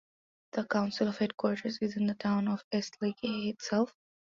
The council's headquarters is in the town of Eastleigh itself.